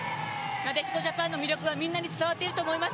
なでしこジャパンの魅力はみんなに伝わってると思います。